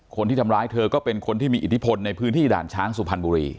คนที่ทำร้ายเธอก็เป็นคนที่มีอิทธิพลในพื้นที่ด่านช้างสุพรรณบุรี